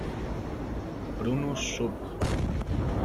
Prunus subg.